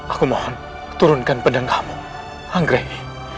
aku mohon turunkan pedang kamu anggra ini